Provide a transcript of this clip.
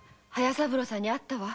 隼三郎さんに会ったわ。